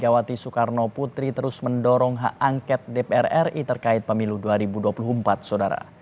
megawati soekarno putri terus mendorong hak angket dpr ri terkait pemilu dua ribu dua puluh empat saudara